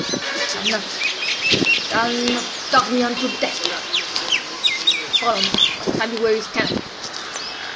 you shall not you shall not dog me unto death! Follow me, or I stab you where you stand!"